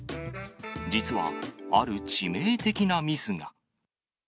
実は、ある致命的なミスが。